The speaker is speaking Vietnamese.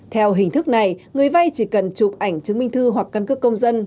theo hình thức này người vay chỉ cần chụp ảnh chứng minh thư hoặc căn cước công dân